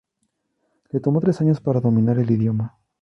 Le tomó tres años para dominar el idioma.